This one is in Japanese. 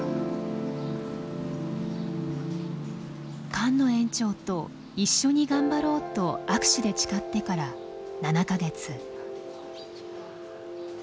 菅野園長と一緒に頑張ろうと握手で誓ってから７か月。